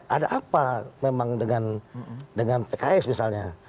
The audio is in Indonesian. ada apa memang dengan pks misalnya